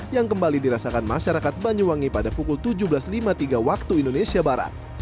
yang kembali dirasakan masyarakat banyuwangi pada pukul tujuh belas lima puluh tiga waktu indonesia barat